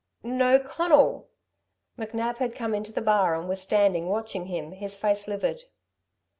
"No, Conal!" McNab had come into the bar and was standing watching him, his face livid.